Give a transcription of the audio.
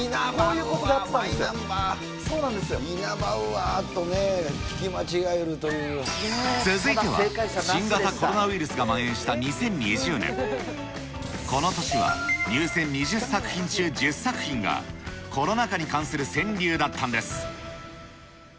イナバウアーとね、聞き間違続いては、新型コロナウイルスがまん延した２０２０年、この年は入選２０作品中１０作品が、コロナ禍に関する川柳だったんです。